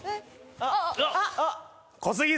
・あっ！